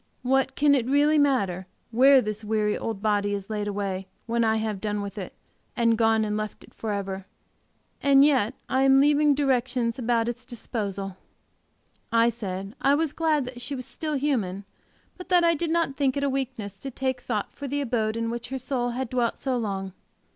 What can it really matter where this weary old body is laid away, when I have done with it, and gone and left it forever? And yet I am leaving directions about its disposal!" I said I was glad that she was still human but that I did not think it a weakness to take thought for the abode in which her soul had dwelt so long.